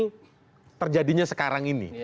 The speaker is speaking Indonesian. tapi terjadinya sekarang ini